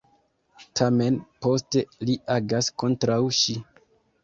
Tamen poste li agas kontraŭ ŝi.